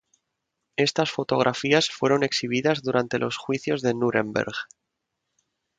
Estas fotografías fueron exhibidas durante los Juicios de Núremberg.